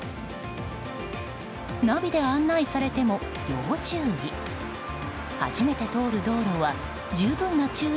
ナビで案内されても要注意。